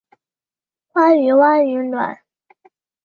鲑鱼鲑鱼卵